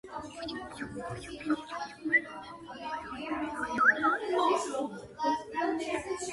ითვლება მსოფლიოში ერთ-ერთ ყველაზე დატვირთულ აეროპორტად.